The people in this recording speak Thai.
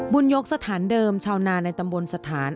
ยกสถานเดิมชาวนาในตำบลสถาน